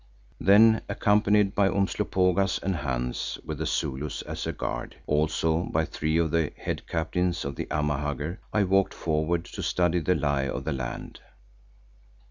Then, accompanied by Umslopogaas and Hans with the Zulus as a guard, also by three of the head captains of the Amahagger, I walked forward to study the lie of the land.